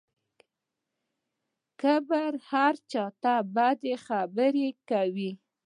له کبره هر چا ته بدې خبرې کوي.